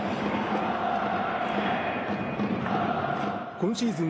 今シーズン